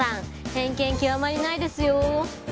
偏見極まりないですよ。